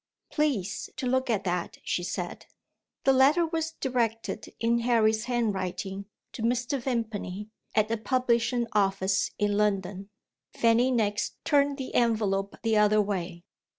"Please to look at that," she said. The letter was directed (in Harry's handwriting) to Mr. Vimpany, at a publishing office in London. Fanny next turned the envelope the other way.